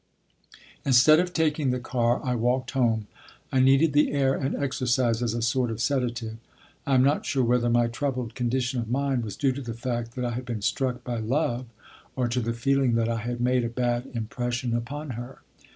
Instead of taking the car, I walked home. I needed the air and exercise as a sort of sedative. I am not sure whether my troubled condition of mind was due to the fact that I had been struck by love or to the feeling that I had made a bad impression upon her.